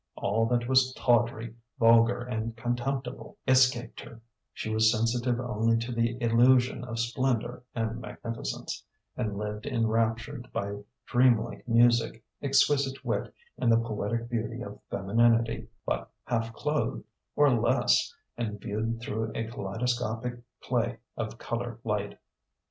All that was tawdry, vulgar, and contemptible escaped her: she was sensitive only to the illusion of splendour and magnificence, and lived enraptured by dream like music, exquisite wit, and the poetic beauty of femininity but half clothed, or less, and viewed through a kaleidoscopic play of coloured light.